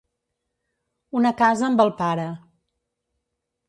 Una casa amb el pare.